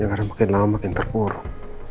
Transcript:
yang ada makin lama makin terpuruk